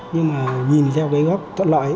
nhưng mà nhìn theo cái góc thuận lợi